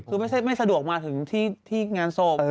คือไม่สะดวกมาถึงที่งานศพ